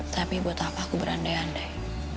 tapi buat apa aku berandai andai